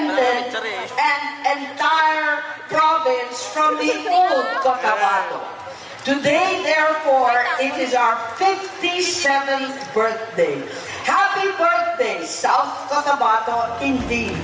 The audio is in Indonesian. selamat hari kebahagiaan kota batau selatan